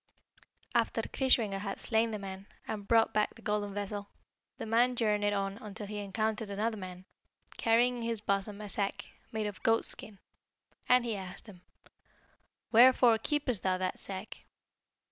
"After Kreischwinger had slain the man, and brought back the golden vessel, the man journeyed on until he encountered another man, carrying in his bosom a sack, made of goatskin, and he asked him, 'Wherefore keepest thou that sack?'